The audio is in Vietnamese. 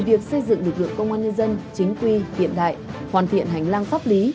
việc xây dựng lực lượng công an nhân dân chính quy hiện đại hoàn thiện hành lang pháp lý